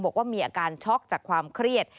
บอกว่ามีอาการช็อกจากความเครียด